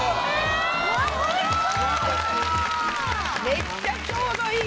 めっちゃちょうどいい。